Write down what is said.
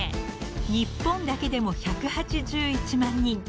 ［日本だけでも１８１万人］